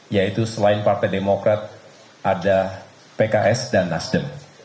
yaitu selain partai demokrat ada pks dan nasdem